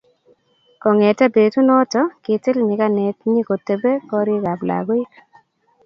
kongete petunoto, kitil nyikanet nyikotepe korikap lagoik